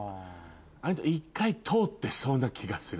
一回通ってそうな気がする。